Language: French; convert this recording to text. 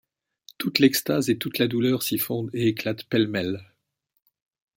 Toute l’extase et toute la douleur s’y fondent et éclatent pêle-mêle.